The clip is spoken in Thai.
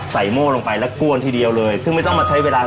โม่ลงไปแล้วก้วนทีเดียวเลยซึ่งไม่ต้องมาใช้เวลา